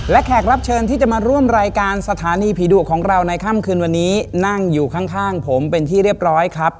และแขกรับเชิญที่จะมาร่วมรายการสถานีผีดุของเราในค่ำคืนวันนี้นั่งอยู่ข้างผมเป็นที่เรียบร้อยครับ